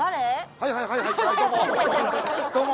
はいはいはいどうも！